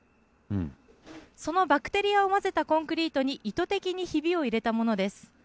そのバクテリアを混ぜたコンクリートに、意図的にひびを入れたものです。